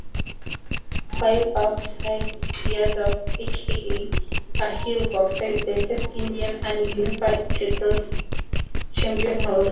Vaibhav Singh Yadav aka Ahir Boxer is the first Indian unified titles champion holder.